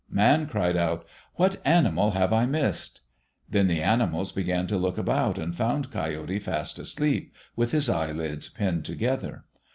Man cried out, "What animal have I missed?" Then the animals began to look about and found Coyote fast asleep, with his eyelids pinned together.